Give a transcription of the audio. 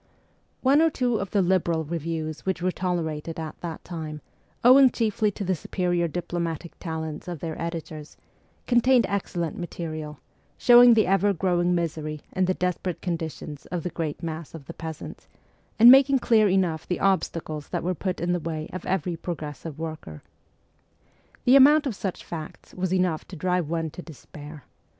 One or two of the liberal reviews which were ST. PETERSBURG 31 tolerated at that time, owing chiefly to the superior diplomatic talents of their editors, contained excellent material, showing the ever growing misery and the desperate conditions of the great mass of the peasants, and making clear enough the obstacles that were put in the way of every progressive worker. The amount of such facts was enough to drive one to despair.